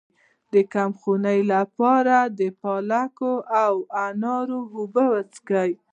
د کمخونۍ لپاره د پالک او انار اوبه وڅښئ